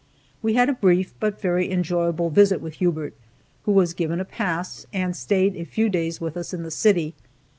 We had a brief but very enjoyable visit with Hubert, who was given a pass, and stayed a few days with us in the city.